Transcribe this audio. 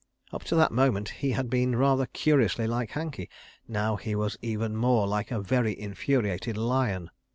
Up to that moment he had been rather curiously like Hankey. Now he was even more like a very infuriated lion.